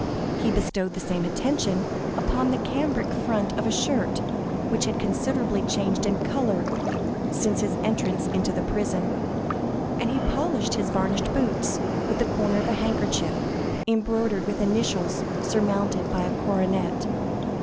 He bestowed the same attention upon the cambric front of a shirt, which had considerably changed in color since his entrance into the prison, and he polished his varnished boots with the corner of a handkerchief embroidered with initials surmounted by a coronet.